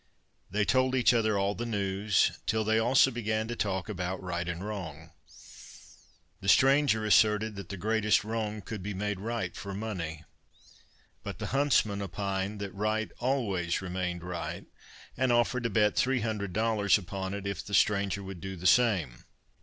They told each other all the news, till they also began to talk about right and wrong. The stranger asserted that the greatest wrong could be made right for money. But the huntsman opined that right always remained right, and offered to bet three hundred dollars upon it, if the stranger would do the same.